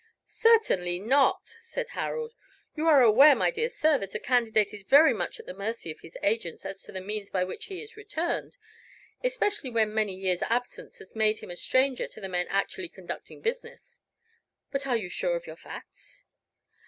"Certainly not," said Harold. "You are aware, my dear sir, that a candidate is very much at the mercy of his agents as to the means by which he is returned, especially when many years' absence has made him a stranger to the men actually conducting business. But are you sure of your facts?"